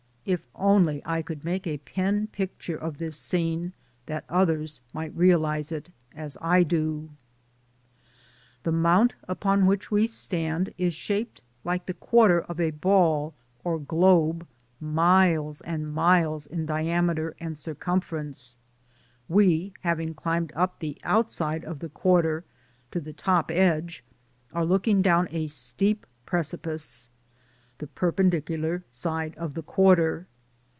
If only I could make a pen picture of this scene that others might realize it, as I do. The mount upon which we stand is shaped 134 DAYS ON THE ROAD. like the quarter of a ball or globe miles and miles in diameter and circumference ; we hav ing climbed up the outside of the quarter to the top edge are looking down a steep preci pice — the perpendicular side of the quarter.